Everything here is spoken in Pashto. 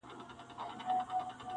وریځو خو ژړله نن اسمان راسره وژړل-